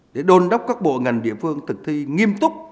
để đôn đốc các bộ ngành địa phương thực thi nghiêm túc